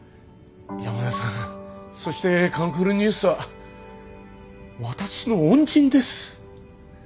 山田さんそして『カンフルＮＥＷＳ』は私の恩人です。